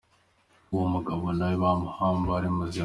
Uwo mugabo na we bamuhamba ari muzima.